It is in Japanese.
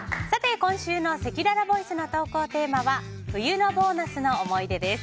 今週のせきららボイスの投稿テーマは冬のボーナスの思い出です。